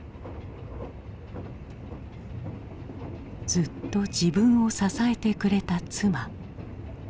ずっと自分を支えてくれた妻。